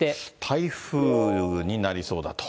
台風になりそうだと。